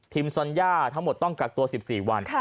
สัญญาทั้งหมดต้องกักตัว๑๔วัน